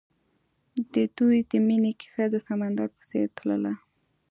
د دوی د مینې کیسه د سمندر په څېر تلله.